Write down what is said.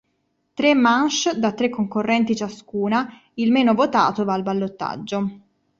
Tre manche da tre concorrenti ciascuna, il meno votato va al ballottaggio.